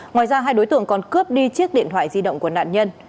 ngoài ra hai đối tượng còn cướp đi chiếc điện thoại di động của nạn nhân